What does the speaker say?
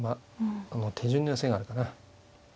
もう手順の寄せがあるかな。